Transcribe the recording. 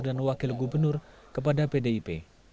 dan wakil gubernur kepada pdip